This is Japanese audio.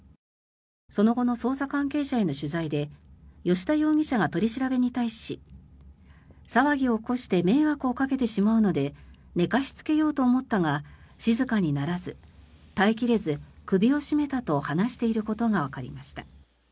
その後の捜査関係者への取材で吉田容疑者が取り調べに対し騒ぎを起こして迷惑をかけてしまうので寝かしつけようと思ったが静かにならず耐え切れず首を絞めたと話していることがわかりました。